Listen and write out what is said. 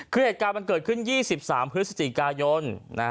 คือเหตุการณ์มันเกิดขึ้น๒๓พฤศจิกายน